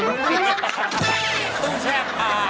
ตู้แชกผ่า